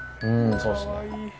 うんそうですね。